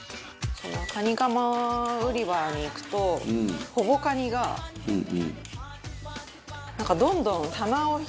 カニカマ売り場に行くとほぼカニがなんかどんどん棚を広げてて。